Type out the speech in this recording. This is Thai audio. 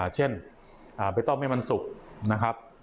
เช่นไปต้มให้มันสุกนะครับ